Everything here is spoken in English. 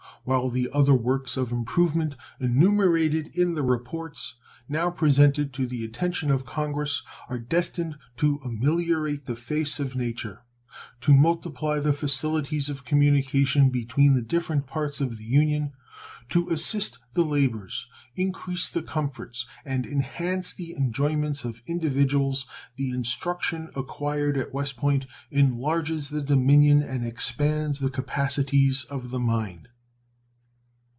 While the other works of improvement enumerated in the reports now presented to the attention of Congress are destined to ameliorate the face of nature, to multiply the facilities of communication between the different parts of the Union, to assist the labors, increase the comforts, and enhance the enjoyments of individuals, the instruction acquired at West Point enlarges the dominion and expands the capacities of the mind.